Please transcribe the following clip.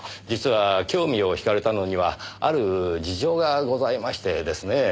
実は興味を引かれたのにはある事情がございましてですね。